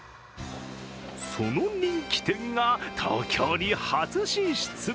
その人気店が東京に初進出。